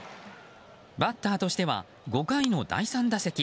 バッターとしては５回の第３打席。